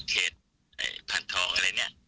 เหตุพันธ์ทองอะไรเนี่ย